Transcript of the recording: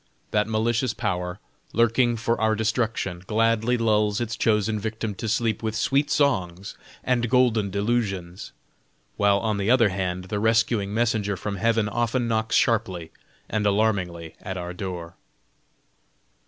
That malicious power, lurking for our destruction, gladly lulls its chosen victim to sleep with sweet songs and golden delusions; while on the other hand the rescuing messenger from Heaven often knocks sharply and alarmingly at our door.